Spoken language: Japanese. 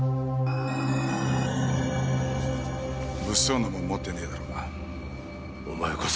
物騒なもん持ってねえだろうな？